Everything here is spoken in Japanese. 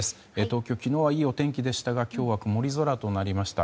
東京、昨日はいいお天気でしたが今日は曇り空となりました。